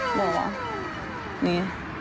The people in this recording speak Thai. เหลือวะนี่